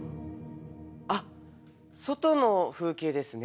あっ外の風景ですね。